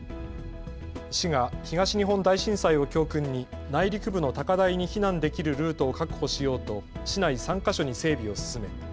市が東日本大震災を教訓に内陸部の高台に避難できるルートを確保しようと市内３か所に整備を進め